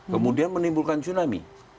kemudian menimbulkan tsunami